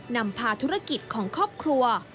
นำพาธุรกิจของครอบครัว